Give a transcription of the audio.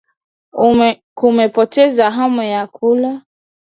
Kupoteza hamu ya chakula